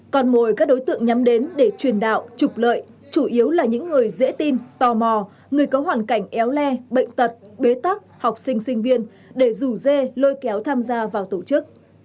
còn mồi các đối tượng nhắm đến để truyền đạo trục lợi chủ yếu là những người dễ tin tò mò người có hoàn cảnh éo le bệnh tật bế tắc học sinh sinh viên để rủ dê lôi kéo tham gia vào tổ chức